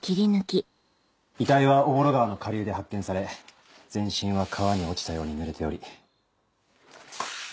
遺体は朧川の下流で発見され全身は川に落ちたように濡れており。